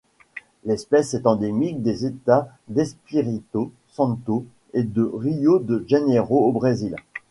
L'espèce est endémique des États d'Espírito Santo et de Rio de Janeiro au Brésil.